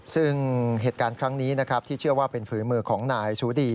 ซึ่งเหตุการณ์ครั้งนี้นะครับที่เชื่อว่าเป็นฝีมือของนายชูดี